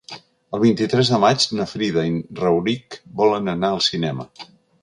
El vint-i-tres de maig na Frida i en Rauric volen anar al cinema.